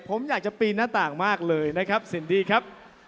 ผมอยากจะปีนหน้าต่างมากเลยนะครับสินดี้ครับ